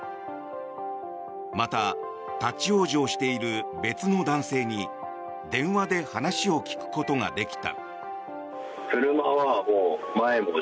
また、立ち往生している別の男性に電話で話を聞くことができた。